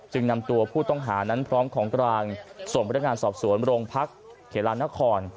นำตัวผู้ต้องหานั้นพร้อมของกลางส่งพนักงานสอบสวนโรงพักเขลานคร